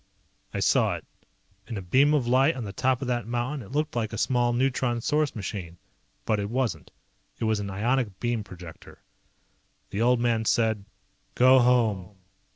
I saw it. In a beam of light on the top of that mountain it looked like a small neutron source machine. But it wasn't. It was an ionic beam projector. The old man said, "Go home."